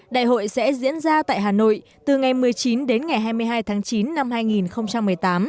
đại hội sẽ diễn ra tại hà nội từ ngày một mươi chín đến ngày hai mươi hai tháng chín năm hai nghìn một mươi tám